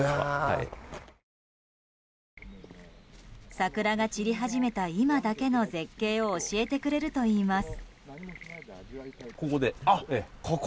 桜が散り始めた今だけの絶景を教えてくれるといいます。